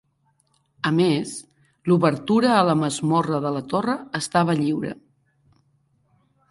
A més, l'obertura a la masmorra de la torre estava lliure.